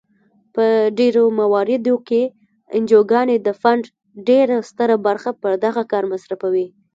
په ډیری مواردو کې انجوګانې د فنډ ډیره ستره برخه پر دغه کار مصرفوي.